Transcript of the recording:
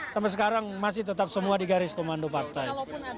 sampai sekarang masih tetap semua di garis komando partai